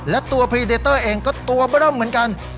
และตัวพรีเดเตอร์เองก็ตัวบร่อมเหมือนกัน